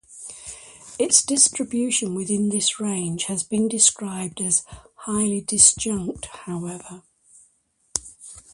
Its distribution within this range has been described as "highly disjunct" however.